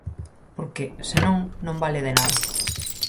Porque, se non, non vale de nada.